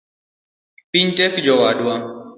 Piny tek jowadwa